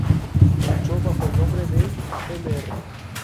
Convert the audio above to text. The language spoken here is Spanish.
Luchó bajo el nombre de “Mr.